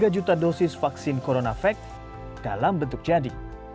tiga juta dosis vaksin coronavac dalam bentuk jadi